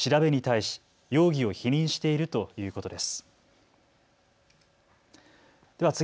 警察によりますと調べに対し容疑を否認しているということです。